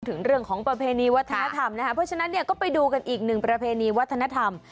ถึงเรื่องของประเพณีวัฒนธรรมนะคะเพราะฉะนั้นเนี่ยก็ไปดูกันอีกหนึ่งประเพณีวัฒนธรรม